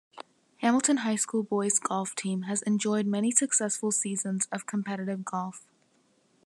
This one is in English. Hamilton High School Boys Golf Team has enjoyed many successful seasons of competitive golf.